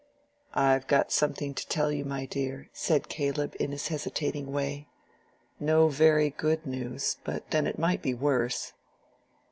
"I've got something to tell you, my dear," said Caleb in his hesitating way. "No very good news; but then it might be worse."